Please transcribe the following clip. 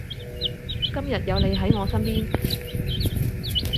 今日有你喺我身邊